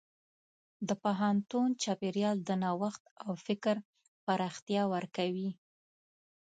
د پوهنتون چاپېریال د نوښت او فکر پراختیا ورکوي.